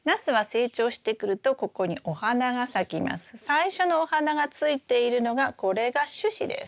最初のお花がついているのがこれが主枝です。